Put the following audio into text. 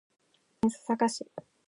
長野県須坂市